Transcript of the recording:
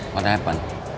apa yang terjadi